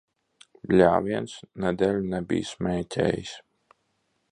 Bļāviens! Nedēļu nebiju smēķējis.